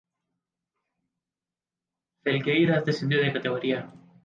Felgueiras descendió de categoría.